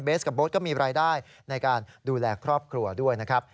กับโบ๊ทก็มีรายได้ในการดูแลครอบครัวด้วยนะครับ